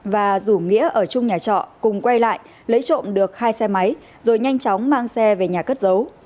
và rủ nghĩa ở chung nhà trọ cùng quay lại lấy trộm được hai xe máy rồi nhanh chóng mang xe về nhà cất giấu